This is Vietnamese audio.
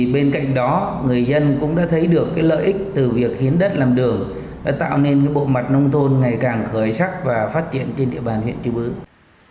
bên cạnh đó người dân cũng đã thấy được lợi ích từ việc hiến đất làm đường đã tạo nên bộ mặt nông thôn ngày càng khởi sắc và phát triển trên địa bàn huyện chư bướn